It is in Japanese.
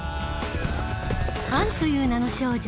「アンという名の少女」